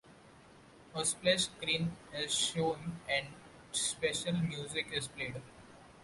A splash screen is shown and special music is played.